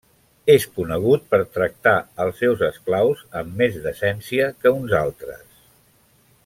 És conegut per tractar als seus esclaus amb més decència que uns altres.